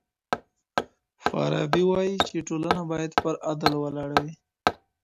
فارابي وايي چي ټولنه بايد پر عدل ولاړه وي.